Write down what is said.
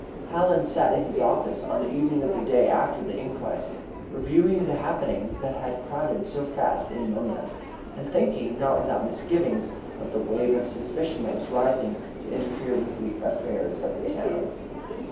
Hallen sat in his office on the evening of the day after the inquest, reviewing the happenings that had crowded so fast in Mona, and thinking, not without misgivings, of the wave of suspicion that was rising to interfere with the affairs of the town.